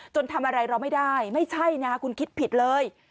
ทำอะไรเราไม่ได้ไม่ใช่นะคุณคิดผิดเลย